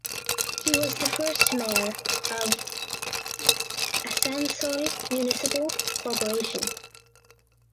He was the first Mayor of Asansol Municipal Corporation.